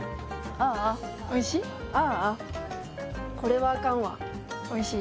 あーあっおいしい？